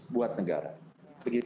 buat negara begitu